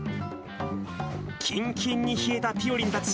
きんきんに冷えたぴよりんたち。